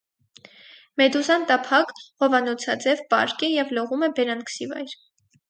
Մեդուզան տափակ, հովանոցաձև պարկ է և լողում է բերանքսիվայր։